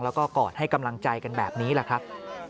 แล้วก็กอดให้กำลังใจกันแบบนี้แหละครับ